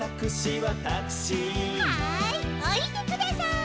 はいおりてください。